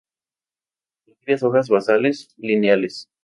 Con varias hojas basales; lineales.